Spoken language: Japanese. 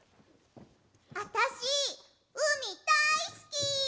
あたしうみだいすき！